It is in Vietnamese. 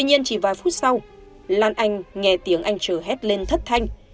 tuy nhiên chỉ vài phút sau lan anh nghe tiếng anh trừ hét lên thất thanh